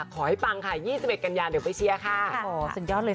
ขอให้ปังค่ะยี่สิบเอ็ดกันยานเดี๋ยวไปเชียร์ค่ะอ๋อสุดยอดเลย